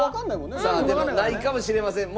さあでもないかもしれません。